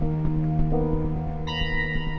lo udah ngerti kan